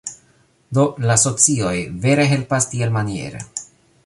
Do la socioj vere helpas tielmaniere.